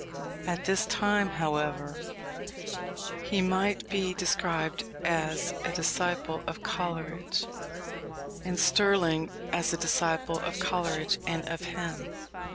At this time, however, he might be described as a disciple of Coleridge, and Sterling as a disciple of Coleridge and of him.